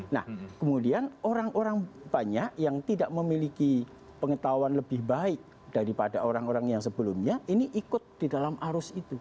nah kemudian orang orang banyak yang tidak memiliki pengetahuan lebih baik daripada orang orang yang sebelumnya ini ikut di dalam arus itu